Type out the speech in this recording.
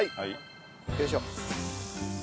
よいしょ。